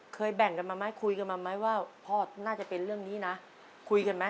แบ่งกันมาไหมคุยกันมาไหมว่าพ่อน่าจะเป็นเรื่องนี้นะคุยกันไหม